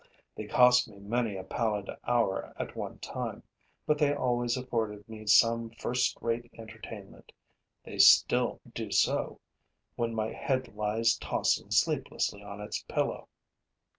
They cost me many a pallid hour at one time, but they always afforded me some first rate entertainment: they still do so, when my head lies tossing sleeplessly on its pillow.